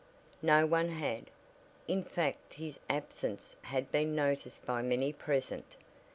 No one had; in fact his absence had been noticed by many present.